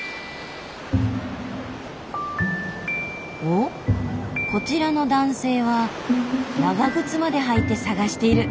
おっこちらの男性は長靴まで履いて探している。